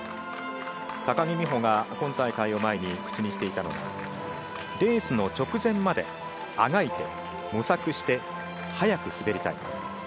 高木美帆が今大会を前に口にしていたのは、レースの直前まであがいて、模索して、早く滑りたい。